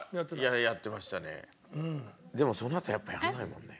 でもそのあとやっぱやらないもんね。